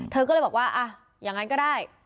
เธอก็เลยบอกว่าอ่ะอย่างนั้นก็ได้